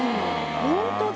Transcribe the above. ホントだ。